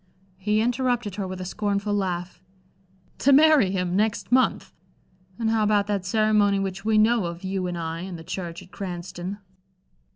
He interrupted her with a scornful laugh. "To marry him next month," he repeated. "And how about that ceremony which we know of you and I in the church at Cranston?"